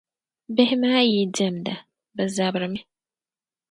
Bihi maa yi diɛmda, bɛ zabirimi.